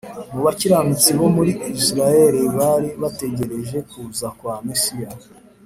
Mu bakiranutsi bo muri Isiraheli bari bategereje kuza kwa Mesiya